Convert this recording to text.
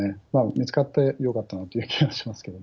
見つかってよかったなという気はしますけどね。